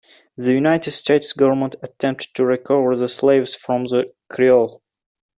The United States government attempted to recover the slaves from the "Creole".